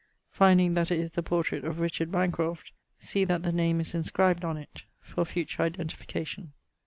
Finding that it is the portrait of Richard Bancroft, 'see that the name is inscribed on it,' for future identification.